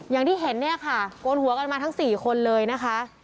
อย่างที่เห็นเนี่ยค่ะโกนหัวกันมาทั้ง๔คนเลยนะคะ